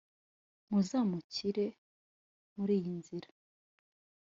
Muzamukire muri iyi nzira